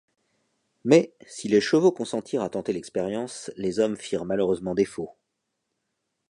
Mais, si les chevaux consentirent à tenter l’expérience, les hommes firent malheureusement défaut.